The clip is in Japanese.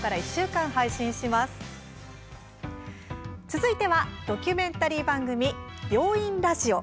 続いては、ドキュメンタリー番組「病院ラジオ」。